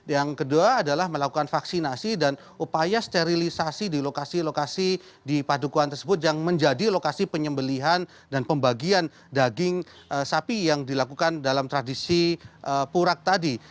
yang kedua adalah melakukan vaksinasi dan upaya sterilisasi di lokasi lokasi di padukuan tersebut yang menjadi lokasi penyembelihan dan pembagian daging sapi yang dilakukan dalam tradisi purak tadi